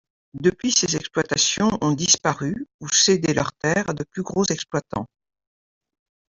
Depuis, ces exploitations ont disparu, ou cédé leurs terres à de plus gros exploitants.